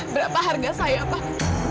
berapa harga saya pak